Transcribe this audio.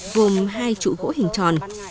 gồm hai trụ gỗ hình tròn